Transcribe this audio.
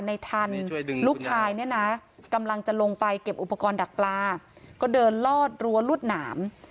ในทันลูกชายเนี่ยนะกำลังจะลงไปเก็บอุปกรณ์ดักปลาก็เดินลอดรั้วรวดหนาม